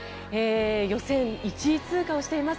予選１位通過をしています。